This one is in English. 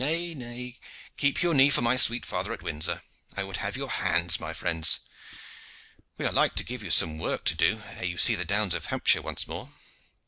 Nay, keep your knee for my sweet father at Windsor. I would have your hands, my friends. We are like to give you some work to do ere you see the downs of Hampshire once more.